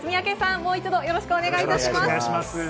もう一度よろしくお願いします。